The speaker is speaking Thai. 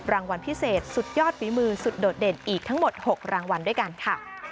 รางวัลพิเศษสุดยอดฝีมือสุดโดดเด่นอีกทั้งหมด๖รางวัลด้วยกันค่ะ